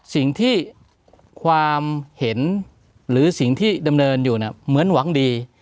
สิ่งที่ความเห็นหรือสิ่งที่ดำเนินอยู่เนี่ยเหมือนหวังดี